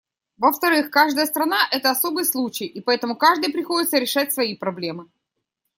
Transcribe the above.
Во-вторых, каждая страна — это особый случай, и поэтому каждой приходится решать свои проблемы.